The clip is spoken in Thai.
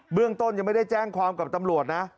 เรื่องต้นยังไม่ได้แจ้งความกับตำรวจนะ